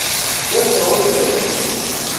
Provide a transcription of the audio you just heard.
D asɛuggen.